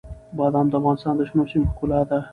بادام د افغانستان د شنو سیمو ښکلا ده.